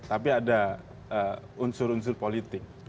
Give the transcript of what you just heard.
tapi ada unsur unsur politik